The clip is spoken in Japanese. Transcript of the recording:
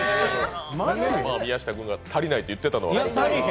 宮下君が足りないと言ってたのが。